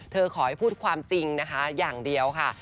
ขอให้พูดความจริงนะคะอย่างเดียวค่ะ